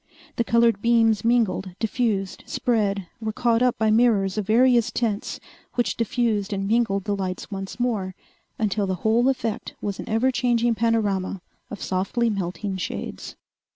The colored beams mingled, diffused, spread, were caught up by mirrors of various tints which diffused and mingled the lights once more until the whole effect was an ever changing panorama of softly melting shades.